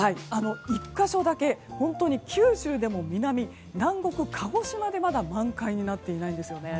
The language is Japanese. １か所だけ九州でも、南南国・鹿児島でまだ満開になっていないんですよね。